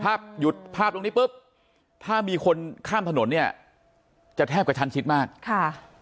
หยุดภาพตรงนี้ปุ๊บถ้ามีคนข้ามถนนเนี่ยจะแทบกระชันชิดมากค่ะ